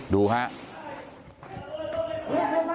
ดูครับ